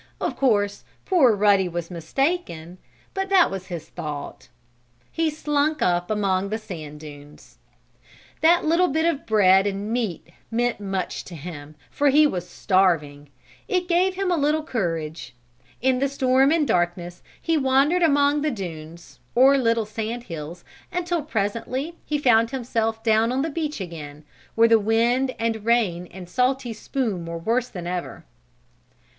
Of course poor Ruddy was mistaken, but that was his thought. He slunk up among the sand dunes. That little bit of bread and meat meant much to him, for he was starving. It gave him a little courage. In the storm and darkness he wandered among the dunes, or little sand hills, until presently he found himself down on the beach again, where the wind and rain and salty spume were worse than ever.